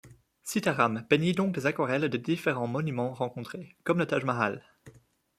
Sita Ram peignit donc des aquarelles des différents monuments rencontrés, comme le Taj Mahal.